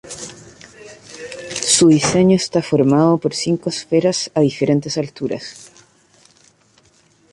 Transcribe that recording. Su diseño está formado por cinco esferas a diferentes alturas.